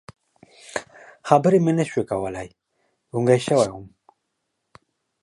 خبرې مې نه شوې کولی، ګونګی شوی وم.